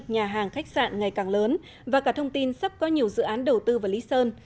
nhà hàng khách sạn ngày càng lớn và cả thông tin sắp có nhiều dự án đầu tư vào lý sơn